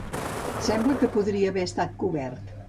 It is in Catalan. Sembla que podria haver estat cobert.